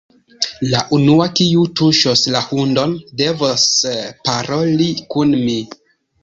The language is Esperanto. La unua, kiu tuŝos la hundon, devos paroli kun mi.